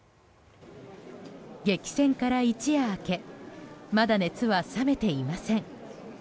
激戦から一夜明けまだ熱は冷めていません。